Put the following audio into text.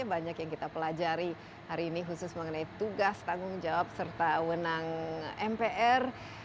banyak yang kita pelajari hari ini khusus mengenai tugas tanggung jawab serta wenang mpr